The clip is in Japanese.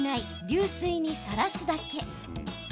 流水にさらすだけ。